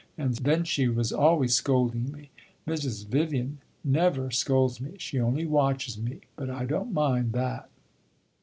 And then she was always scolding me. Mrs. Vivian never scolds me. She only watches me, but I don't mind that."